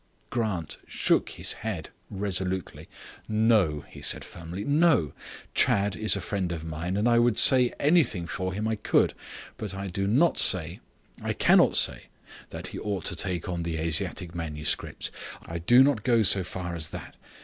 Grant shook his head resolutely. "No," he said firmly. "No. Chadd is a friend of mine, and I would say anything for him I could. But I do not say, I cannot say, that he ought to take on the Asiatic manuscripts. I do not go so far as that.